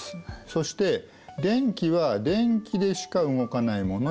そして電気は電気でしか動かないものに使う。